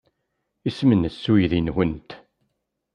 Isem-nnes uydi-nwent?